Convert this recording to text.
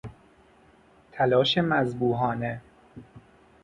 تلاش مذبوحانه